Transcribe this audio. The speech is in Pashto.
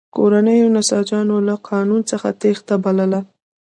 کورنیو نساجانو له قانون څخه تېښته بلله.